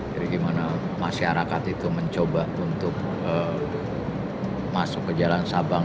jadi gimana masyarakat itu mencoba untuk masuk ke jalan sabang